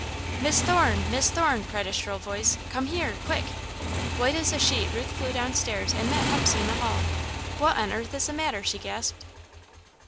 "Miss Thorne! Miss Thorne!" cried a shrill voice. "Come here! Quick!" White as a sheet, Ruth flew downstairs and met Hepsey in the hall. "What on earth is the matter!" she gasped.